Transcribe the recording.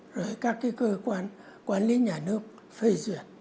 rồi các cái cơ quan quản lý nhà nước phê duyệt